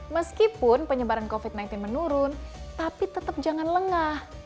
meskipun penyebaran covid sembilan belas menurun tapi tetap jangan lengah